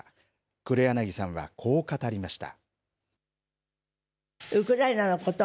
黒柳さんはこう語りました。